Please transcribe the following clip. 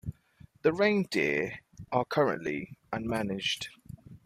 The reindeer are currently unmanaged.